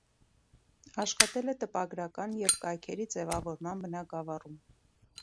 Աշխատել է տպագրական և կայքերի ձևավորման բնագավառում։